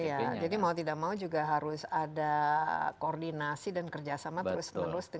iya jadi mau tidak mau juga harus ada koordinasi dan kerjasama terus menerus